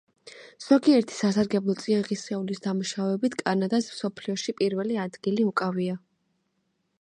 ზოგიერთი სასარგებლო წიაღისეულის დამუშავებით კანადას მსოფლიოში პირველი ადგილი უკავია.